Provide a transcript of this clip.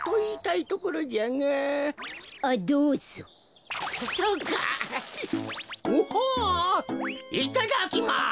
いただきます。